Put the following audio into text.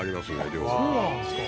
両方そうなんですか